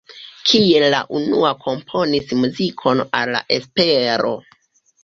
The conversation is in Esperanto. Kiel la unua komponis muzikon al La Espero.